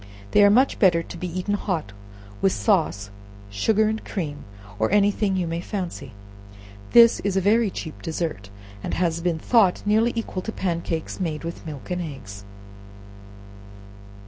They are much better to be eaten hot, with sauce, sugar and cream, or any thing you may fancy. This is a very cheap dessert, and has been thought nearly equal to pan cakes made with milk and eggs.